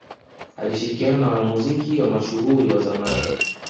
Akishirikiana na wanamuziki wa mashuhuri wa zamani